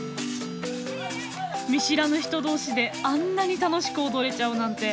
見知らぬ人同士であんなに楽しく踊れちゃうなんて。